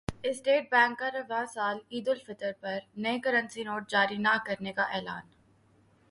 state Bank کا رواں سال عیدالفطر پر نئے کرنسی نوٹ جاری نہ کرنے کا اعلان